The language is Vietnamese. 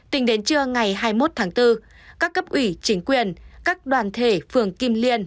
tính đến trưa ngày hai mươi một tháng bốn các cấp ủy chính quyền các đoàn thể phường kim liên